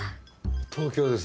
東京です。